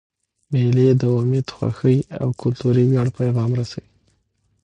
مېلې د امید، خوښۍ، او کلتوري ویاړ پیغام رسوي.